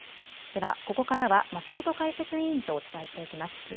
ではここからは松本解説委員とお伝えしていきます。